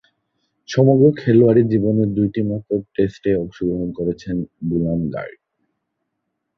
সমগ্র খেলোয়াড়ী জীবনে দুইটিমাত্র টেস্টে অংশগ্রহণ করেছেন গুলাম গার্ড।